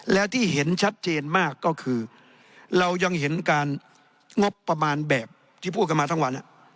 และที่เห็นชัดเจนมากก็คือเรายังเห็นการงบประมาณแบบที่พูดกันมาทั้งวัน